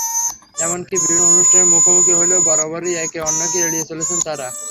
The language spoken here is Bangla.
এমনকি বিভিন্ন অনুষ্ঠানে মুখোমুখি হলেও বরাবরই একে অন্যকে এড়িয়ে চলেছেন তাঁরা।